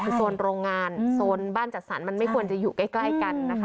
คือโซนโรงงานโซนบ้านจัดสรรมันไม่ควรจะอยู่ใกล้กันนะคะ